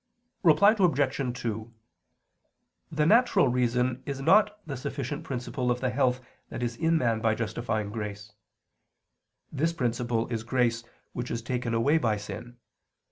Reply Obj. 2: The natural reason is not the sufficient principle of the health that is in man by justifying grace. This principle is grace which is taken away by sin.